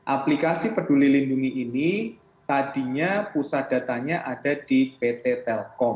aplikasi peduli lindungi ini tadinya pusat datanya ada di pt telkom